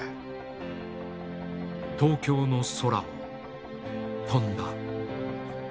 東京の空を飛んだ。